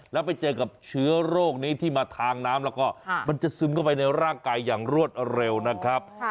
แล้วไปเจอกับเชื้อโรคนี้ที่มาทางน้ำแล้วก็มันจะซึมเข้าไปในร่างกายอย่างรวดเร็วนะครับ